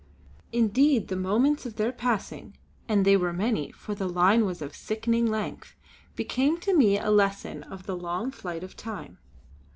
Indeed the moments of their passing and they were many for the line was of sickening length became to me a lesson of the long flight of time.